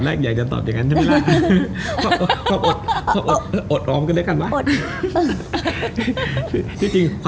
และการหกกินไม่มีงานไม่มีเดี๋ยว